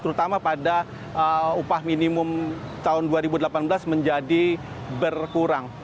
terutama pada upah minimum tahun dua ribu delapan belas menjadi berkurang